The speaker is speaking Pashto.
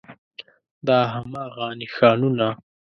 دا هماغه نښانونه